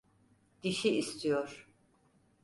Dişi istiyor!